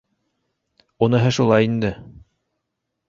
Уныһы шулай инде.